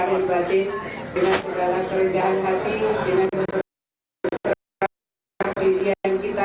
dengan segala kerindahan hati dengan berpercaya kepada diri kita